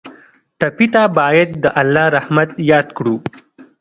ټپي ته باید د الله رحمت یاد کړو.